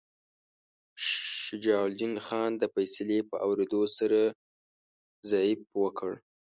شجاع الدین خان د فیصلې په اورېدو سره ضعف وکړ.